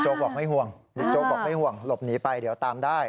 เจ้าบอกไม่ห่วงหลบหนีไปเดี๋ยวตามได้